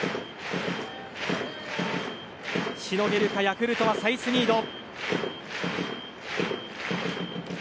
しのげるかヤクルトはサイスニード。